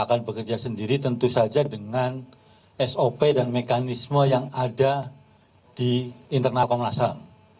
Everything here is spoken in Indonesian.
akan bekerja sendiri tentu saja dengan sop dan mekanisme yang ada di internal komnas ham